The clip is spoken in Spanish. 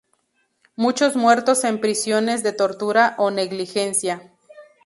Muchos muertos en prisiones de tortura o negligencia.